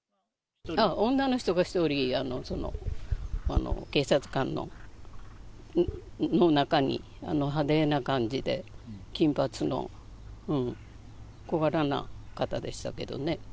女の人が１人、警察官の中に、派手な感じで、金髪の小柄な方でしたけどね。